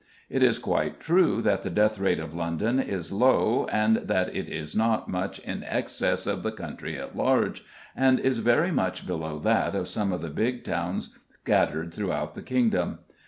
It is quite true that the death rate of London is low, and that it is not much in excess of the country at large, and is very much below that of some of the big towns scattered through the kingdom.